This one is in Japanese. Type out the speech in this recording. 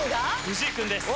藤井君です。